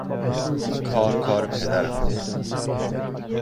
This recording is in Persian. این کار کار پدرم است.